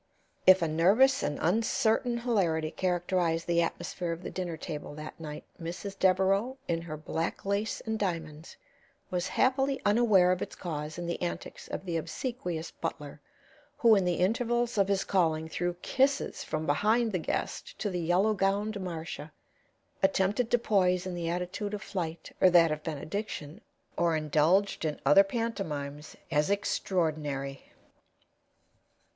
If a nervous and uncertain hilarity characterized the atmosphere of the dinner table that night, Mrs. Devereaux, in her black lace and diamonds, was happily unaware of its cause in the antics of the obsequious butler, who in the intervals of his calling threw kisses from behind the guest to the yellow gowned Marcia, attempted to poise in the attitude of flight or that of benediction, or indulged in other pantomimes as extraordinary.